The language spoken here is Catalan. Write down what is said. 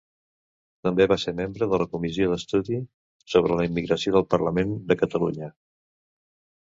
També va ser membre de la Comissió d'Estudi sobre la Immigració del Parlament de Catalunya.